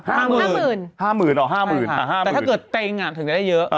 อ่า๕๐๐๐๐แต่ถ้าเกิดเต้งถึงจะได้เยอะ